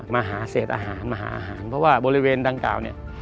มาหาเศษอาหารมาหาอาหารเพราะว่าบริเวณดังกล่าวเนี่ย